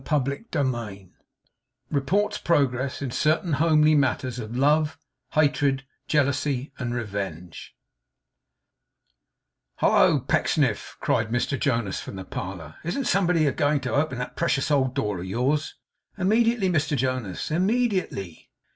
CHAPTER TWENTY FOUR REPORTS PROGRESS IN CERTAIN HOMELY MATTERS OF LOVE, HATRED, JEALOUSY, AND REVENGE 'Hallo, Pecksniff!' cried Mr Jonas from the parlour. 'Isn't somebody a going to open that precious old door of yours?' 'Immediately, Mr Jonas. Immediately.